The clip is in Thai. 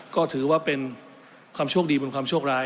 ก็ถือว่าเป็นความโชคดีเป็นความโชคร้าย